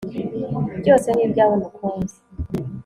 byose ni ibyawe mukunzi